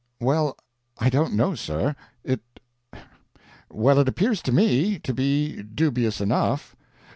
"Well, I don't know, sir. It well, it appears to me to be dubious enough."